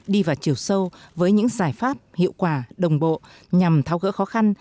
đi vào chiều sâu với những giải pháp hiệu quả đồng bộ nhằm thao gỡ khó khăn